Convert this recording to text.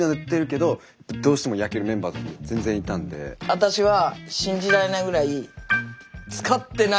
私は信じられないぐらい使ってないです。